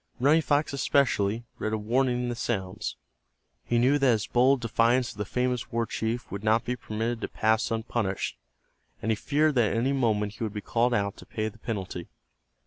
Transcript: Running Fox, especially, read a warning in the sounds. He knew that his bold defiance of the famous war chief would not be permitted to pass unpunished, and he feared that at any moment he would be called out to pay the penalty.